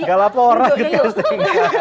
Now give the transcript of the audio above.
gak laporan ikut casting